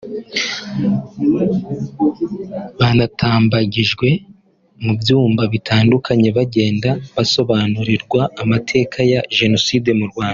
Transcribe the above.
banatambagijwe mu byumba bitandukanye bagenda basobanurirwa amateka ya Jenoside mu Rwanda